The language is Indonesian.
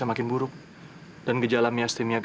aku pengen the